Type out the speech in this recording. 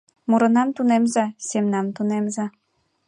Мурынам тунемза, семнам тунемза